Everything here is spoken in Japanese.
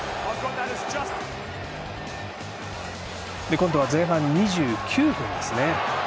今度は前半２９分です。